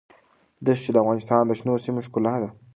دښتې د افغانستان د شنو سیمو ښکلا ده.